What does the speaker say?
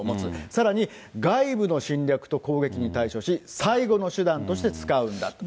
さらに、外部の侵略と攻撃に対処し、最後の手段として使うんだと。